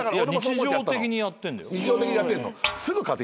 日常的にやってんの。